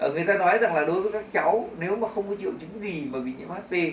người ta nói rằng là đối với các cháu nếu mà không có triệu chứng gì mà bị nhiễm hiv